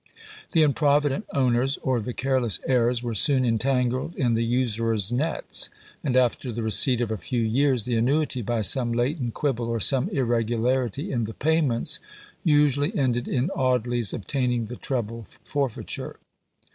The improvident owners, or the careless heirs, were soon entangled in the usurer's nets; and, after the receipt of a few years, the annuity, by some latent quibble, or some irregularity in the payments, usually ended in Audley's obtaining the treble forfeiture.